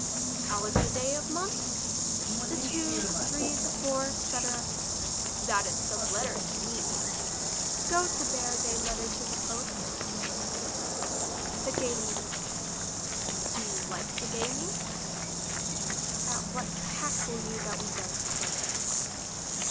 How is the day of month ? The two, the three, the four, etc. That is some letter to me. Go to bear they letter to the post. 28 English as she is spoke. T'he gaming. Do you like the gaming ? At what pack will you that we does play